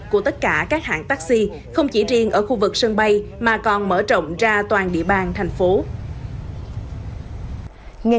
của tất cả các hãng taxi không chỉ riêng ở khu vực sân bay mà còn mở rộng ra toàn địa bàn thành phố